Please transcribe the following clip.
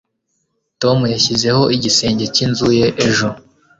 tom yashyizeho igisenge cyinzu ye ejo